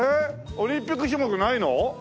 オリンピック種目ないの？